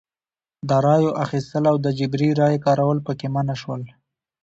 د رایو اخیستل او د جبري رایې کارول پکې منع شول.